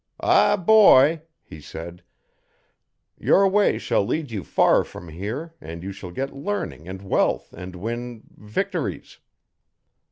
'Ah, boy!' he said, 'your way shall lead you far from here, and you shall get learning and wealth and win victories.'